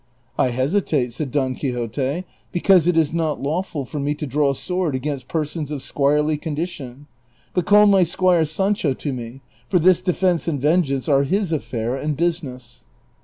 " I hesitate," said Don Quixote, " because it is not lawful for me to draw sword against persons of squirely condition ; but call my squire Sancho to me ; for this defence and vengeance are his affair and business."